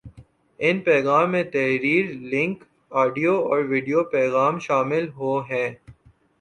ان پیغام میں تحریر ، لنک ، آڈیو اور ویڈیو پیغام شامل ہو ہیں